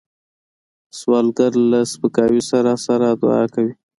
سوالګر له سپکاوي سره سره دعا کوي